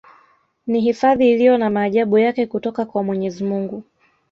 Ni hifadhi iliyo na maajabu yake kutoka kwa mwenyezi Mungu